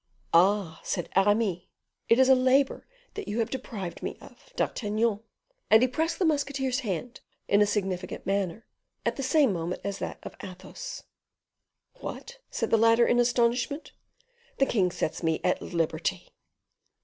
"Ah!" said Aramis, "it is a labor that you have deprived me of, D'Artagnan;" and he pressed the musketeer's hand in a significant manner, at the same moment as that of Athos. "What!" said the latter in astonishment, "the king sets me at liberty!"